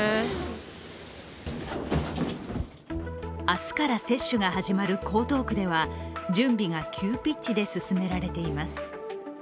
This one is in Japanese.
明日から接種が始まる江東区では準備が急ピッチで進められています。